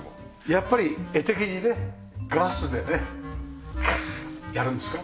やっぱり絵的にねガスでねかあってやるんですか？